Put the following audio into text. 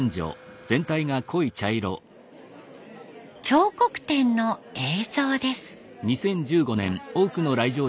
彫刻展の映像です。